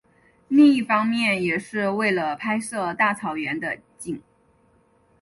另一方面也是为了拍摄大草原的景。